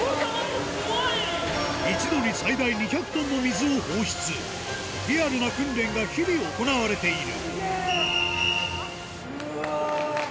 一度に最大２００ｔの水を放出リアルな訓練が日々行われている